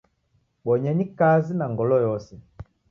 Bonyenyi kazi na ngolo yose.